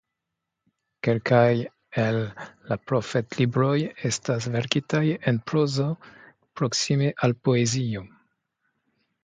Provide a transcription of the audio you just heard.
Kelkaj el la profetlibroj estas verkitaj en prozo proksime al poezio.